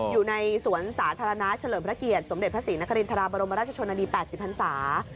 อยู่ในสวนสาธารณะเฉลิมพระเกียรติสมเด็จพระศรีนครินทราบรมราชชนนานี๘๐พันศา